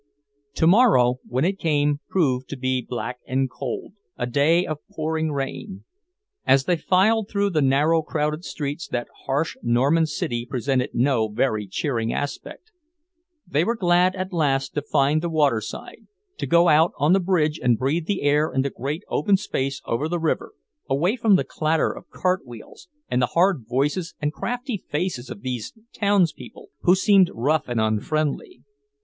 Tomorrow, when it came, proved to be black and cold, a day of pouring rain. As they filed through the narrow, crowded streets, that harsh Norman city presented no very cheering aspect. They were glad, at last, to find the waterside, to go out on the bridge and breathe the air in the great open space over the river, away from the clatter of cart wheels and the hard voices and crafty faces of these townspeople, who seemed rough and unfriendly.